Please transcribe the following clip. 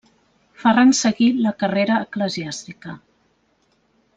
Ferran seguí la carrera eclesiàstica.